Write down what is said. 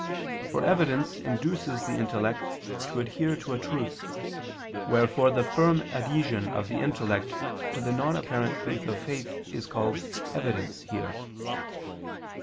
For evidence induces the intellect to adhere to a truth, wherefore the firm adhesion of the intellect to the non apparent truth of faith is called "evidence" here.